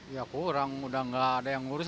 ya kurang udah nggak ada yang ngurus